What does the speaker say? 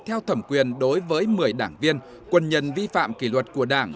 theo thẩm quyền đối với một mươi đảng viên quân nhân vi phạm kỷ luật của đảng